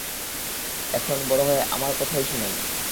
এখন বড় হয়ে আমার কথা শোনেই না।